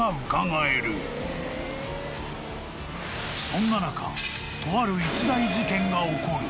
［そんな中とある一大事件が起こる］